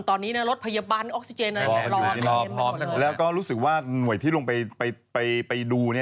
ตอนนี้รถพยาบาลออกซิเจนรออยู่ที่น้องพร้อมแล้วก็รู้สึกว่าหน่วยที่ลงไปดู